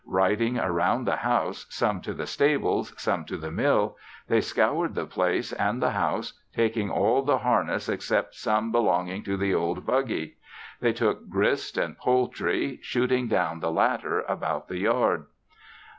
Riding around the house, some to the stables, some to the mill, they scoured the place and the house, taking all the harness except some belonging to the old buggy. They took grist and poultry, shooting down the latter about the yard.